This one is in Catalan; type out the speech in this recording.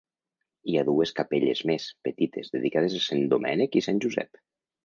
Hi ha dues capelles més, petites, dedicades a Sant Domènec i Sant Josep.